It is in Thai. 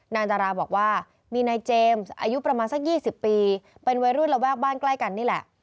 นางจาราบอกว่ามีนายเจมส์อายุประมาณสัก๒๐ปีเป็นวัยรุ่นระแวกบ้านใกล้กันนี่แหละ